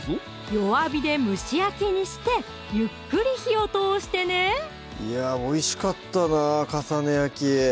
弱火で蒸し焼きにしてゆっくり火を通してねいやおいしかったなぁ「重ね焼き」